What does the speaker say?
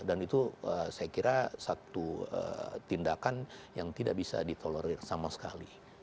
dan itu saya kira satu tindakan yang tidak bisa ditolerir sama sekali